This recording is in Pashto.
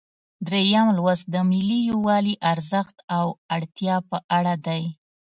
دریم لوست د ملي یووالي ارزښت او اړتیا په اړه دی.